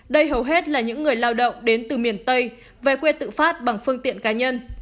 đây hầu hết là những người lao động đến từ miền tây về quê tự phát bằng phương tiện cá nhân